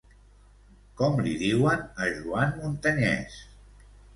Com li diuen a Joan Montañés?